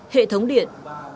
hệ thống điện